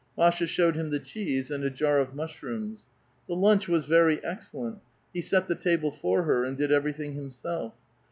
Masha showed him the cheese, and a jar of mushrooms. The lunch was very excellent. He set the table for her, and did everything himself.